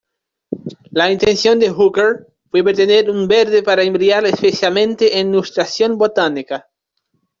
La intención de Hooker fue obtener un verde para emplear especialmente en ilustración botánica.